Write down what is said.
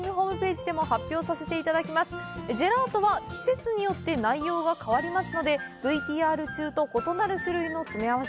ジェラートは季節によって内容が変わりますのでＶＴＲ中と異なる種類の詰合せとなります